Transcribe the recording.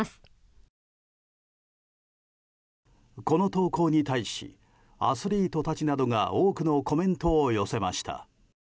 この投稿に対しアスリートたちなどが多くのコメントを寄せました。